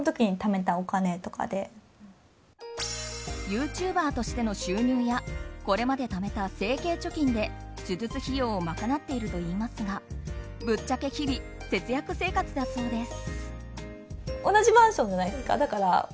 ユーチューバーとしての収入やこれまでためた整形貯金で手術費用を賄っているといいますがぶっちゃけ日々、節約生活だそうです。